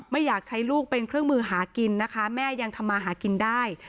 ไม่อยากใช้ลูกเป็นเครื่องมือหากินนะคะแม่ยังทำมาหากินได้